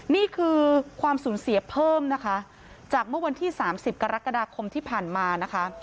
นี่คือความสูญเสียเพิ่มนะคะจากเมื่อวันที่๓๐กรกฎาคมที่ผ่านมานะคะ